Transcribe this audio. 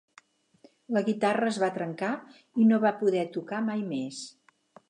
La guitarra es va trencar i no va poder tocar mai més.